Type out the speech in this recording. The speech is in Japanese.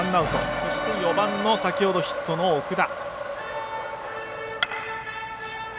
４番の先ほどヒットの奥田。